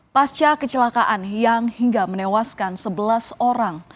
pasca kecelakaan yang hingga menewaskan sebelas orang